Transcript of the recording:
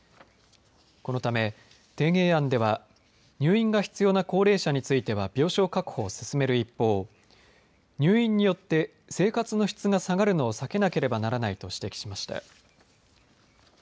このため提言案では入院が必要な高齢者については病床確保を進める一方入院によって生活の質が下がるのを避けなければならないと指摘しました。